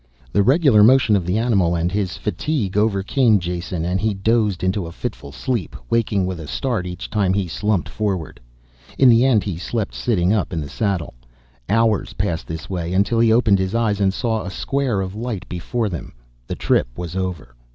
The regular motion of the animal and his fatigue overcame Jason and he dozed into a fitful sleep, waking with a start each time he slumped forward. In the end he slept sitting up in the saddle. Hours passed this way, until he opened his eyes and saw a square of light before them. The trip was over.